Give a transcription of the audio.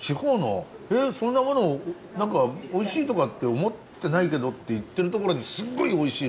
そんなものおいしいとかって思ってないけど」って言ってるところにすっごいおいしい